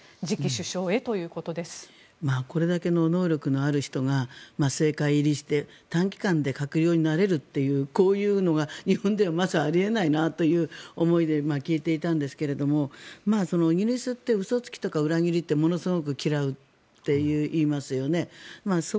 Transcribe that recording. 吉永さんスナク氏、下院初当選から７年でこれだけの能力がある人が政界入りして短期間で閣僚になれるというこういうのが日本ではまずあり得ないなという思いで聞いていたんですがイギリスって嘘つきとか裏切りってものすごく嫌うっていいますよね。